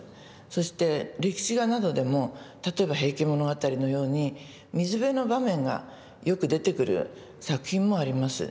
そして歴史画などでも例えば「平家物語」のように水辺の場面がよく出てくる作品もあります。